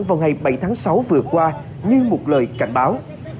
vào ngày bảy tháng sáu vừa qua như một lời cảnh báo